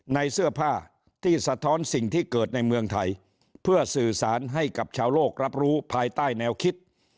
ในเสื้อผ้าที่สะท้อนสิ่งที่เกิดในเมืองไทยเพื่อสื่อสารให้กับชาวโลกรับรู้ภายใต้แนวคิด